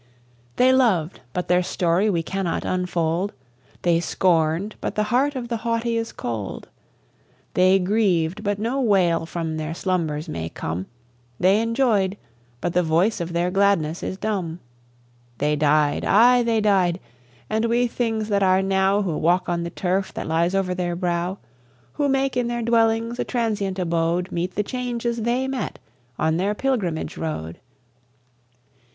They loved, but their story we cannot unfold; They scorned, but the heart of the haughty is cold; They grieved, but no wail from their slumbers may come; They enjoyed, but the voice of their gladness is dumb. They died, ay! they died! and we things that are now, Who walk on the turf that lies over their brow, Who make in their dwellings a transient abode, Meet the changes they met on their pilgrimage road.